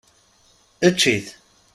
Ečč-it!